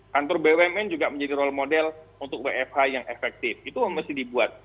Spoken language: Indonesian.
kantor bumn juga menjadi role model untuk wfh yang efektif itu mesti dibuat